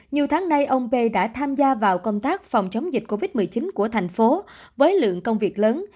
nhiều tháng nay ông p đã tham gia vào công tác phòng chống dịch covid một mươi chín của thành phố với lượng công việc lớn